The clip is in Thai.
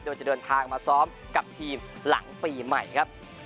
โดยจะเดินทางมาซ้อมกับทีมหลังปีใหม่ครับ